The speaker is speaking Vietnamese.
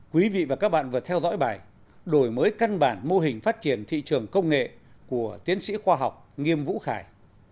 quý vị và các bạn vừa theo dõi bài đổi mới căn bản mô hình phát triển thị trường công nghệ của tiến sĩ khoa học nghiêm vũ khải